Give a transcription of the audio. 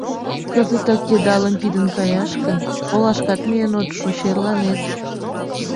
Кызытак йыдалым пидын каяш гын, олашкат миен от шу, черланет.